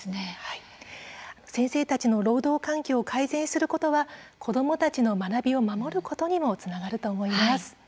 先生たちの労働環境を改善することは子どもたちの学びを守ることにもつながると思います。